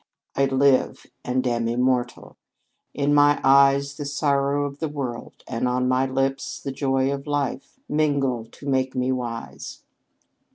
"'I live and am immortal; in my eyes The sorrow of the world, and on my lips The joy of life, mingle to make me wise!'"